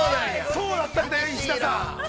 ◆そうだったんだよ、石田さん。